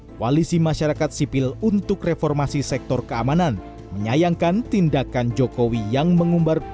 koalisi masyarakat sipil untuk reformasi sektor keamanan menyayangkan tindakan jokowi yang mengumbar